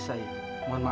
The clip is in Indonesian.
saya mau pergi ke rumah